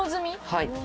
はい。